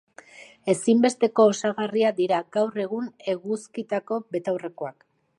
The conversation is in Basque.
Ezinbesteko osagarria dira gaur egun eguzkitako betaurrekoak.